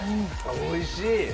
おいしい！